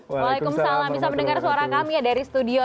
waalaikumsalam bisa mendengar suara kami ya dari studio